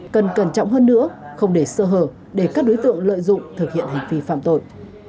quan trọng hơn nữa không để sơ hờ để các đối tượng lợi dụng thực hiện hành vi phạm tội